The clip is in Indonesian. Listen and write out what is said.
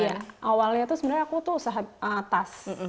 iya awalnya tuh sebenarnya aku tuh usaha atas